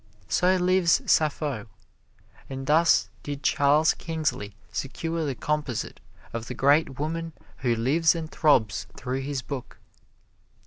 So lives Sappho, and thus did Charles Kingsley secure the composite of the great woman who lives and throbs through his book.